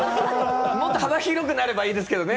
もっと幅広くなればいいですけどね。